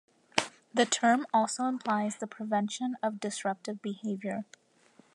The term also implies the prevention of disruptive behavior.